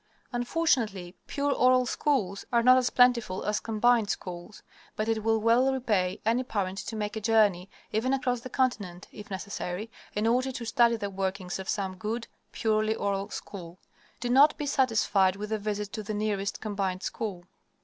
Unfortunately, pure oral schools are not as plentiful as "combined" schools, but it will well repay any parent to make a journey, even across the continent, if necessary, in order to study the workings of some good, purely oral, school. Do not be satisfied with a visit to the nearest "combined" school.